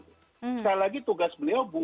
sekali lagi tugas beliau